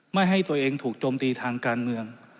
ไม่ให้ตัวเองถูกโจมตีทางการเมือง